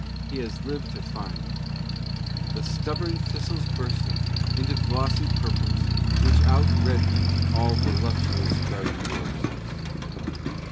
He has lived to find —" The stubborn thistles bursting Into glossy purples, which out redden All voluptuous garden roses."